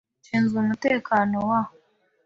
Nshinzwe umutekano wa .